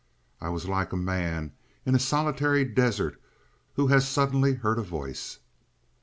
I was like a man in a solitary desert who has suddenly heard a voice.